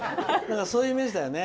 そういうイメージだよね。